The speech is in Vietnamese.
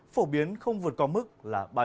phổ biến không vượt có mức là ba mươi ba độ